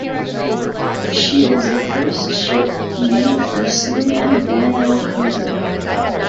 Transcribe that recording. She was the first ship named for Seaman Daniel Hogan.